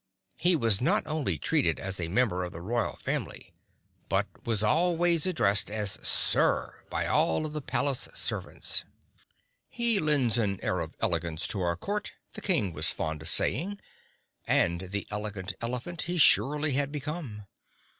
He was not only treated as a member of the royal family, but was always addressed as Sir by all of the palace servants. "He lends an air of elegance to our Court," the King was fond of saying, and the Elegant Elephant he surely had become.